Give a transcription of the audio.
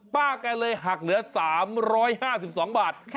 ป้าแกเลยหักเหลือ๓๕๒บาท